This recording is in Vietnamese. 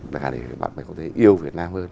để bạn có thể yêu việt nam hơn